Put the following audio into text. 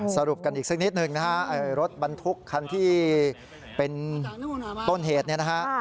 สรุปกันอีกสักนิดหนึ่งนะฮะรถบรรทุกคันที่เป็นต้นเหตุเนี่ยนะฮะ